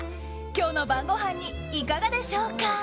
今日の晩ごはんにいかがでしょうか。